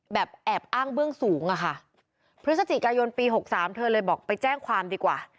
แบบแอบอ้างเบื้องสูงอะค่ะพฤศจิกายนปีหกสามเธอเลยบอกไปแจ้งความดีกว่า